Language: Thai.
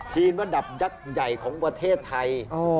ระดับยักษ์ใหญ่ของประเทศไทย